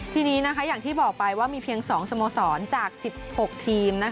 ทีนี้อย่างที่บอกไปว่ามีเพียง๒สโมสรจาก๑๖ทีม